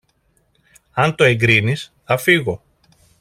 αν το εγκρίνεις, θα φύγω.